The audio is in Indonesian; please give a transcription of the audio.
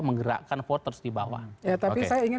menggerakkan voters di bawah ya tapi saya ingin